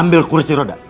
ambil kursi roda